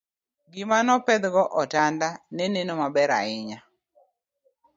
gima no pedh go otanda ne neno maber ahinya